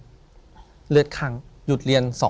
ถูกต้องไหมครับถูกต้องไหมครับ